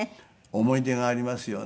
思い出がありますよね。